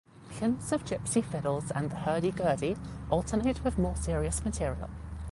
Hints of gypsy fiddles and the hurdy gurdy alternate with more serious material.